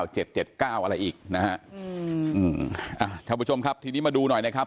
เจ็ดเจ็ดเก้าอะไรอีกนะฮะอืมอืมอ่าท่านผู้ชมครับทีนี้มาดูหน่อยนะครับ